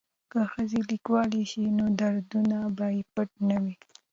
که ښځې لیکوالې شي نو دردونه به یې پټ نه وي.